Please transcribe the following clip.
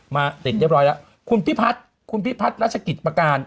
มาติดเรียบร้อยแล้วคุณพิพัฒน์คุณพิพัฒน์รัชกิจประการ